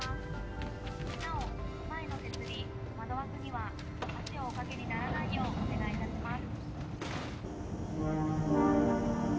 なお前の手すり窓枠には足をお掛けにならないようお願いいたします。